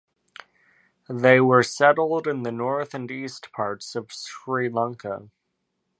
They were settled in the north and East parts of Sri Lanka.